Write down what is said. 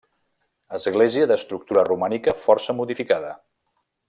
Església d'estructura romànica força modificada.